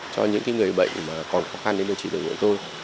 cho những người bệnh mà còn khó khăn đến đối trị với người tôi